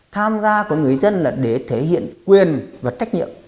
tham gia của người dân là để thể hiện quyền và trách nhiệm